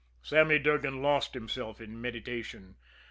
Sammy Durgan lost himself in meditation.